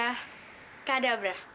gak ada abra